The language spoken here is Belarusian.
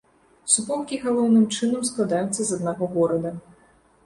Суполкі галоўным чынам складаюцца з аднаго горада.